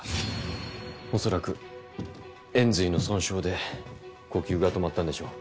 恐らく延髄の損傷で呼吸が止まったんでしょう。